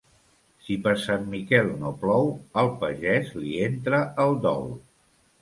Si per Sant Miquel no plou, al pagès li entra el dol.